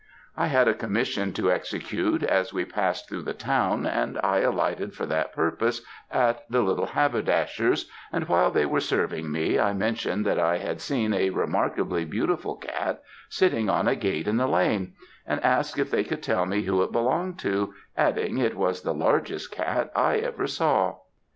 "I had a commission to execute as we passed through the town, and I alighted for that purpose at the little haberdasher's; and while they were serving me, I mentioned that I had seen a remarkably beautiful cat sitting on a gate in the lane; and asked if they could tell me who it belonged to, adding, it was the largest cat I ever saw.